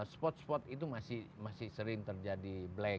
spot spot itu masih sering terjadi black